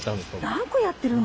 何個やってる。